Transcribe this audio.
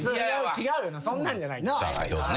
違うよなそんなんじゃない。